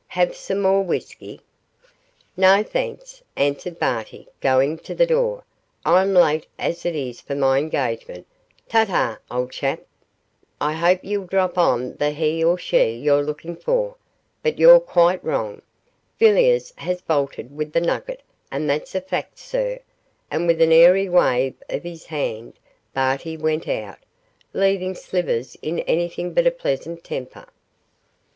'Have some more whisky?' 'No, thanks,' answered Barty, going to the door, 'I'm late as it is for my engagement; ta, ta, old chap, I hope you'll drop on the he or she you're looking for; but you're quite wrong, Villiers has bolted with the nugget, and that's a fact, sir,' and with an airy wave of his hand Barty went out, leaving Slivers in anything but a pleasant temper.